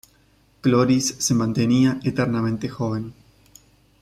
Cloris se mantenía eternamente joven.